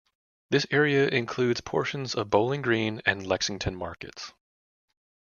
This area includes portions of the Bowling Green and Lexington markets.